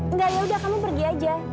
enggak ya udah kamu pergi aja